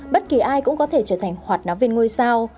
bất kỳ ai cũng có thể trở thành hoạt ná viên ngôi sao